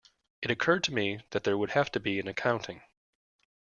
It occurred to me that there would have to be an accounting.